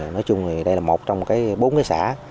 nói chung thì đây là một trong bốn cái xã